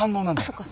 そっか。